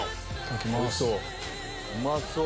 おいしそう。